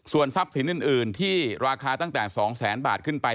ส่วนทรัพย์สินอื่นที่ราคาตั้งแต่๒แสนบาทขึ้นไป